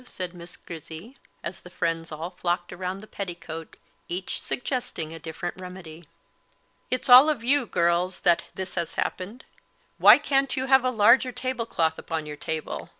said Miss Grizzy, as the friends all flocked around the petticoat, each suggesting a different remedy. "It's all of you, girls, that his has happened. Why can't you have a larger tablecloth upon your table!